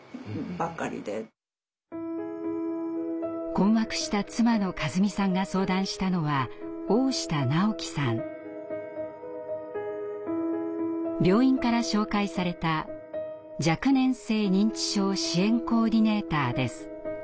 困惑した妻の和美さんが相談したのは病院から紹介された若年性認知症支援コーディネーターです。